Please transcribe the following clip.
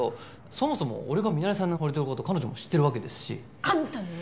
そもそも俺がミナレさんに惚れてる事彼女も知ってるわけですし。あんたね！